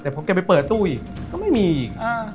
แต่พอแกไปเปิดตู้อีกก็ไม่มีอีก